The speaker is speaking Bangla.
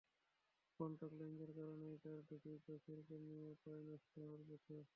কন্টাক্ট লেন্সের কারণেই তাঁর দুটি চোখের কর্নিয়া প্রায় নষ্ট হওয়ার পথে।